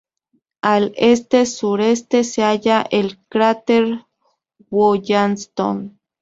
Al este-sureste se halla el cráter Wollaston.